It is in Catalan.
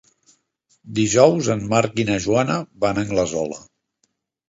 Dijous en Marc i na Joana van a Anglesola.